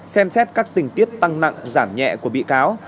xem xét các tình tiết tăng nặng giảm nhẹ của bị cáo